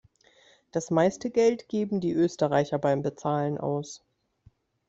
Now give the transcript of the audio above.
Das meiste Geld geben die Österreicher beim Bezahlen aus.